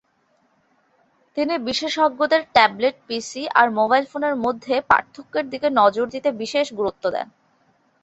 তিনি বিশেষজ্ঞদের tablet PC আর মোবাইল ফোনের মধ্যে পার্থক্যের দিকে নজর দিতে বিশেষ গুরুত্ব দেন।